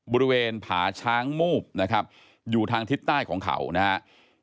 บริเวณผาช้างมูบนะครับอยู่ทางทิศใต้ของเขานะครับ